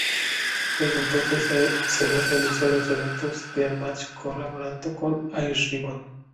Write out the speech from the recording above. Desde entonces, Sera realizó dos eventos "Death Match" colaborando con Ice Ribbon.